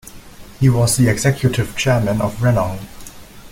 He was the executive chairman of Renong.